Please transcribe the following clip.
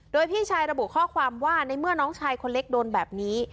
โดยพี่ชายระบุข้อความว่าในเมื่อน้องชายคนเล็กโดนแบบนี้